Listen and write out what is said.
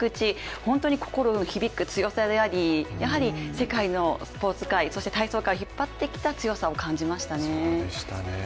本当に心に響く強さであり、やはり世界のスポーツ界、そして体操界を引っ張ってきた強さを感じましたね。